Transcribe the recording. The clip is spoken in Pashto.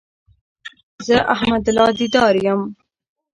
زه احمد الله ديدار يم